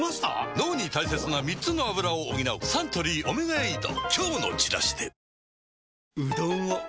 脳に大切な３つのアブラを補うサントリー「オメガエイド」